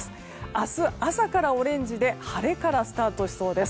明日朝からオレンジで晴れからスタートしそうです。